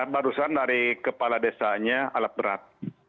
barusan dari kepala desanya alat berat